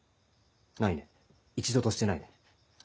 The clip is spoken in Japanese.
ないね一度としてないね。